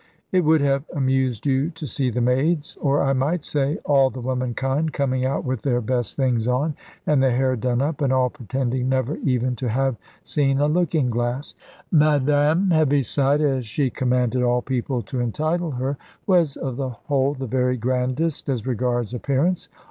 It would have amused you to see the maids, or I might say all the womankind, coming out with their best things on, and their hair done up, and all pretending never even to have seen a looking glass. Madame Heaviside (as she commanded all people to entitle her) was of the whole the very grandest as regards appearance.